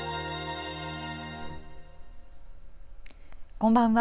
こんばんは。